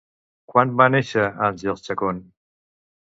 Quan va néixer Àngels Chacón?